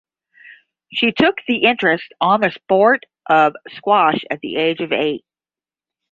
She took the interest on the sport of squash at the age of eight.